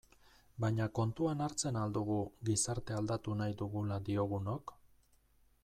Baina kontuan hartzen al dugu gizartea aldatu nahi dugula diogunok?